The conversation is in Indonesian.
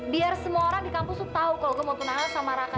biar semua orang di kampus tuh tau kalau gua mau tunangan sama raka